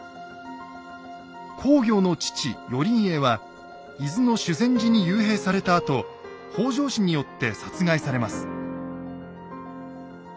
公暁の父・頼家は伊豆の修善寺に幽閉されたあと北条氏によって殺害されます。